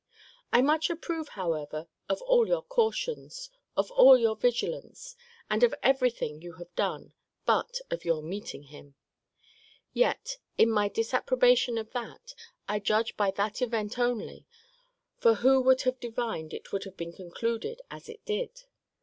I much approve, however, of all your cautions, of all your vigilance, and of every thing you have done, but of your meeting him. Yet, in my disapprobation of that, I judge by that event only: for who would have divined it would have been concluded as it did?